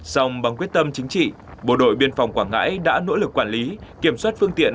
xong bằng quyết tâm chính trị bộ đội biên phòng quảng ngãi đã nỗ lực quản lý kiểm soát phương tiện